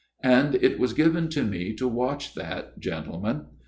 " And it was given to me to watch that, gentle men.